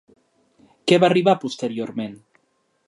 Què va arribar posteriorment?